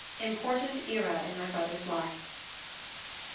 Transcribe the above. Important Era In My Brother's Life.